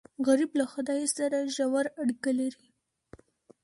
غریب له خدای سره ژور اړیکه لري